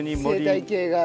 生態系が。